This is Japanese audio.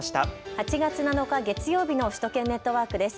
８月７日月曜日の首都圏ネットワークです。